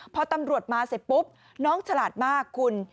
พอตำรวจมาเสร็จปุ๊บน้องฉลาดมากคุณ